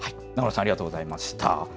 永野さん、ありがとうございました。